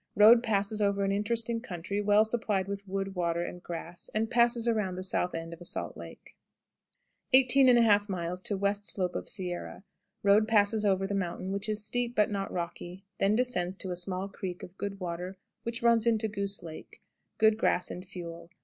Road passes over an interesting country, well supplied with wood, water, and grass, and passes around the south end of a salt lake. 18 1/2. West Slope of Sierra. Road passes over the mountain, which is steep but not rocky, then descends to a small creek of good water which runs into Goose Lake. Good grass and fuel.